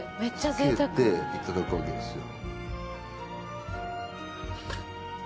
つけていただくわけですよ。